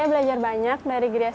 saya belajar banyak dari gria siso fren